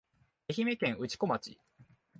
愛媛県内子町